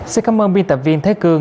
xin cảm ơn biên tập viên thế cư